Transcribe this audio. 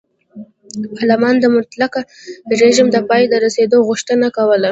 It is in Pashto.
پارلمان د مطلقه رژیم د پای ته رسېدو غوښتنه کوله.